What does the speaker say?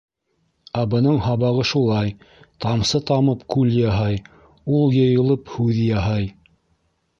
—Ә бының һабағы шулай: тамсы тамып, күл яһай, уй йыйылып, һүҙ яһай.